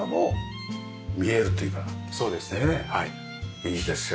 いいですよね。